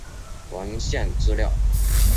文献资料